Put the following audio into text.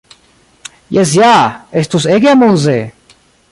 "Jes ja! Estus ege amuze!"